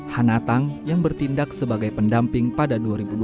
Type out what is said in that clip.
hana tang yang bertindak sebagai pendamping pada dua ribu tujuh belas